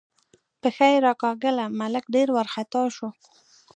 پښه یې راکاږله، ملک ډېر وارخطا شو.